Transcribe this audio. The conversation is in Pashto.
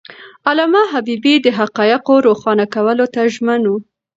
علامه حبيبي د حقایقو روښانه کولو ته ژمن و.